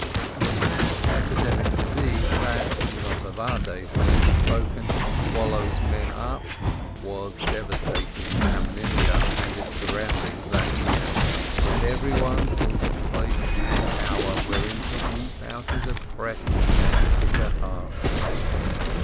The sad epidemic disease that (not of our days be it spoken!) swallows men up, was devastating Kamenivke and its surroundings that year, and every one sought a place and hour wherein to weep out his opprest and bitter heart.